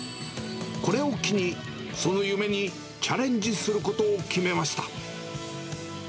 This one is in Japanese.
これを機に、その夢にチャレンジすることを決めました。